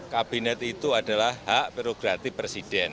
kabinet itu adalah hak prerogatif presiden